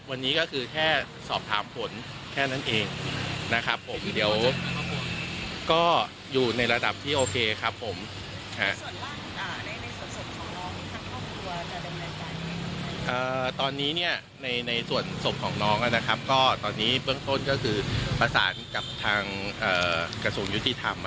ซึ่งพรุ่งนี้เราก็จะเดินทางไปพบท่านเหลขารัฐมนตรีครับ